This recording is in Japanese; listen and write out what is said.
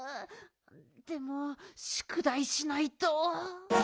でもしゅくだいしないと。